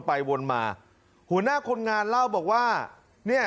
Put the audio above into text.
พวกทำหมูทำเนื้อ